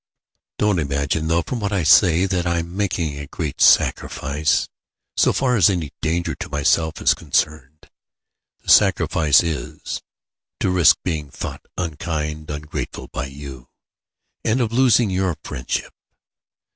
"Don't imagine though, from what I say, that I'm making a great sacrifice, so far as any danger to myself is concerned. The sacrifice is, to risk being thought unkind, ungrateful, by you, and of losing your friendship.